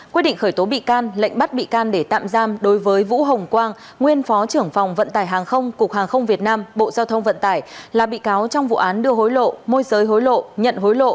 quyết định khởi tố bị can lệnh bắt bị can để tạm giam đối với vũ hồng quang nguyên phó trưởng phòng vận tải hàng không cục hàng không việt nam bộ giao thông vận tải